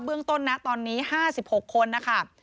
เรื่องต้นนะตอนนี้๕๖คนนะคะ